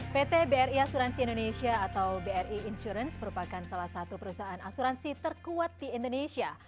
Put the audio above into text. pt bri asuransi indonesia atau bri insurance merupakan salah satu perusahaan asuransi terkuat di indonesia